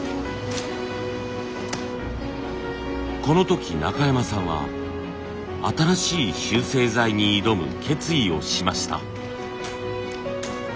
この時中山さんは新しい集成材に挑む決意をしました。